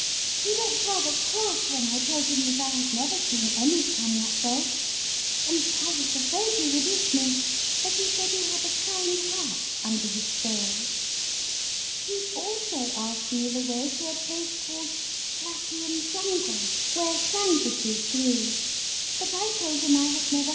He looked rather cross when I told him that I had never seen any come that way, and I was afraid he would eat me, but he said he had a kind heart under his scales. He also asked me the way to a place called Clappiam Jungle, where sandwiches grew, but I told him that I had never 46 A person hitherto unknown to nursery rhymists.